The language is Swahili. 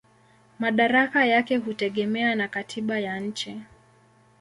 Madaraka yake hutegemea na katiba ya nchi.